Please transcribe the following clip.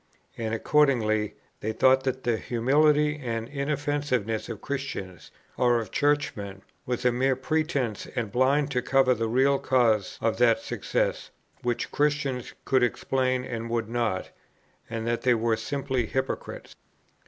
And accordingly they thought that the humility and inoffensiveness of Christians, or of Churchmen, was a mere pretence and blind to cover the real causes of that success, which Christians could explain and would not; and that they were simply hypocrites.